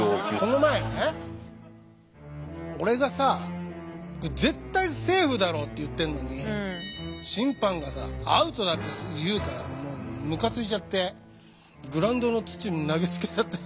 この前ね俺がさ絶対セーフだろって言ってんのに審判がさアウトだって言うからもうムカついちゃってグラウンドの土投げつけちゃった。